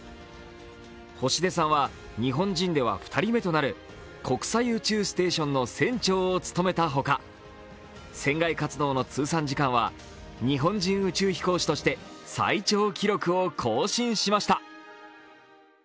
星出さんは日本人では２人目となる国際宇宙ステーションの船長を務めたほか船外活動の通算時間は日本人宇宙飛行士として最長記録を更新しました。